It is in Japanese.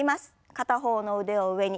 片方の腕を上に。